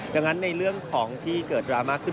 ดังนั้นในเรื่องของที่เกิดดราม่าขึ้น